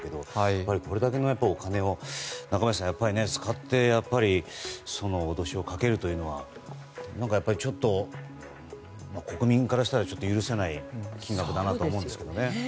やっぱりこれだけのお金を使って脅しをかけるというのは何か、ちょっと国民からしたら許せない金額だと思うんですけど。